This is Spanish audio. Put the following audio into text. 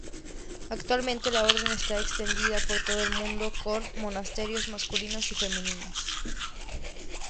Actualmente, la Orden está extendida por todo el mundo, con monasterios masculinos y femeninos.